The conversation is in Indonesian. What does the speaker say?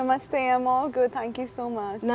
namaste saya baik baik saja terima kasih banyak